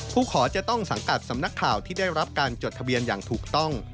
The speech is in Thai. ผู้ขอจะต้องสังกัดสำนักข่าวที่ได้รับการจดทะเบียนอย่างถูกต้อง